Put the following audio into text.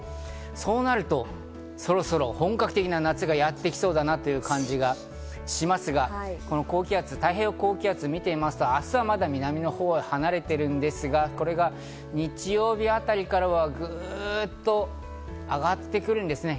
そうなると、そろそろ本格的な夏がやってきそうだなという感じがしますが、この太平洋高気圧を見てみますと明日はまだ南のほうに離れていますが、これが日曜日あたりからはぐっと上がってくるんですね。